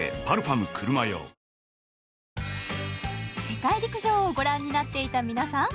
世界陸上をご覧になっていた皆さん